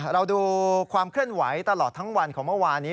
เราดูความเคลื่อนไหวตลอดทั้งวันของเมื่อวานี้